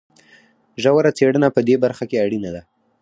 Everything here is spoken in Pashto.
ژوره څېړنه په دې برخه کې اړینه ده.